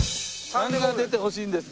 ３が出てほしいんです。